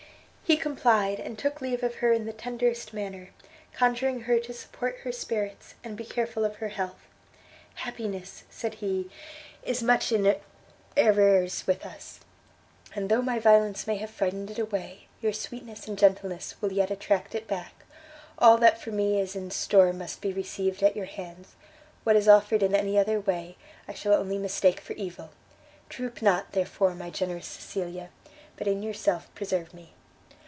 He complied, and took leave of her in the tenderest manner, conjuring her to support her spirits, and be careful of her health. "Happiness," said he, "is much in arrears with us, and though my violence may have frightened it away, your sweetness and gentleness will yet attract it back: all that for me is in store must be received at your hands, what is offered in any other way, I shall only mistake for evil! droop not, therefore, my generous Cecilia, but in yourself preserve me!"